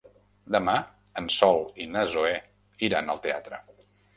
Demà en Sol i na Zoè iran al teatre.